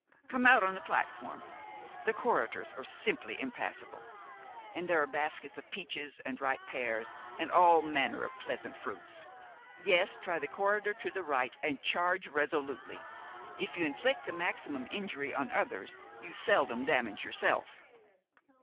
Come out on the platform. The corridors are simply impassable. And here are baskets of peaches, and ripe pears, and all manner of pleasant fruits. Yes, try the corridor to the right, and charge resolutely. If you inflict the maximum injury on others, you seldom damage yourself."